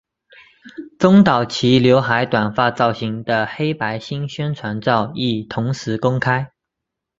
中岛齐浏海短发造型的黑白新宣传照亦同时公开。